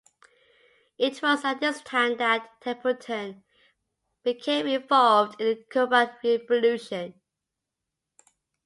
It was at this time that Templeton became involved in the Cuban Revolution.